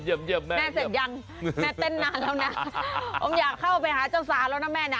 เยี่ยมแม่แม่เสร็จยังแม่เต้นนานแล้วนะผมอยากเข้าไปหาเจ้าสาวแล้วนะแม่นะ